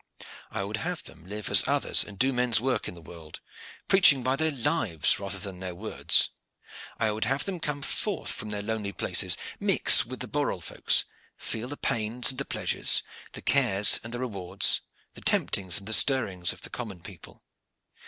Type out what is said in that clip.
"I would have them live as others and do men's work in the world, preaching by their lives rather than their words. I would have them come forth from their lonely places, mix with the borel folks, feel the pains and the pleasures, the cares and the rewards, the temptings and the stirrings of the common people.